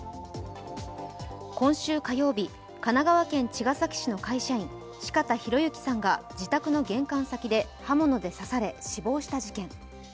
今週火曜日、神奈川県茅ヶ崎市の会社員・四方洋行さんが自宅の玄関先で刃物で刺され死亡した事件。